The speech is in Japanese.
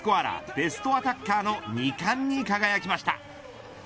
ベストアタッカーの２冠に輝きました。